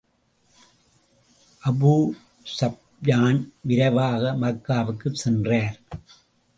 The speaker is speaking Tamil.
அபூ ஸுப்யான் விரைவாக மக்காவுக்குச் சென்றார்.